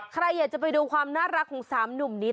ใครอยากจะไปดูความน่ารักของ๓หนุ่มนิด